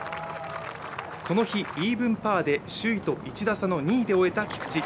この日、イーブンパーで首位と１打差の２位で終えた菊地。